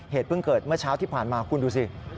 เพิ่งเกิดเมื่อเช้าที่ผ่านมาคุณดูสิ